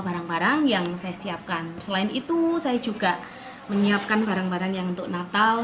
barang barang yang saya siapkan selain itu saya juga menyiapkan barang barang yang untuk natal